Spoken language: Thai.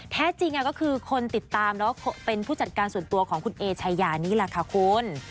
แท้จริงก็คือคนติดตามแล้วก็เป็นผู้จัดการส่วนตัวของคุณเอชายานี่แหละค่ะคุณ